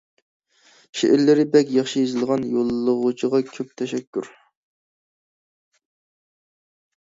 شېئىرلىرى بەك ياخشى يېزىلغان يوللىغۇچىغا كۆپ تەشەككۈر.